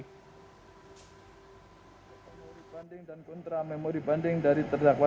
menurut banding dan kontra memori banding dari terdakwa